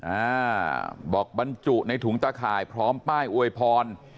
อ่าบอกบรรจุในถุงตะข่ายพร้อมป้ายอวยพร